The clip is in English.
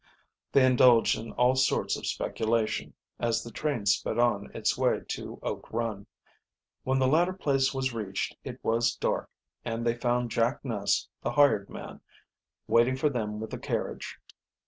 They indulged in all sorts of speculation, as the train sped on its way to Oak Run. When the latter place was reached it was dark, and they found Jack Ness, the hired man, waiting for them with the carriage.